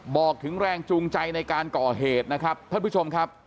บอกถึงแรงจูงใจในการก่อเหตุนะครับท่านผู้ชมครับ